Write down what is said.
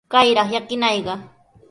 ¡Kayraq llakinayqa!